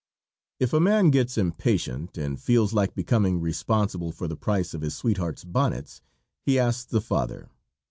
If a man gets impatient and feels like becoming responsible for the price of his sweetheart's bonnets, he asks the father.